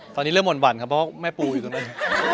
ตอนนี้เริ่มหวั่นครับเพราะว่าแม่ปูอยู่ตรงนั้น